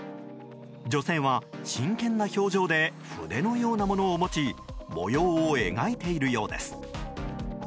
女性は真剣な表情で筆のようなものを持ち模様を描いているようです。